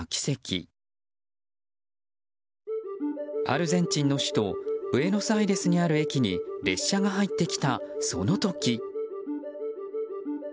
アルゼンチンの首都ブエノスアイレスにある駅に列車が入ってきた、その時。